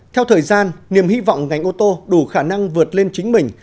theo thời gian niềm hy vọng ngành ô tô đủ khả năng vượt lên chính mình